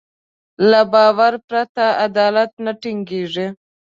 له باور پرته عدالت نه ټينګېږي.